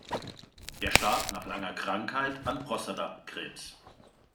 Er starb nach langer Krankheit an Prostata-Krebs.